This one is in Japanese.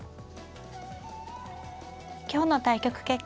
今日の対局結果です。